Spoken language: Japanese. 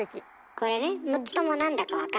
これね６つともなんだか分かる？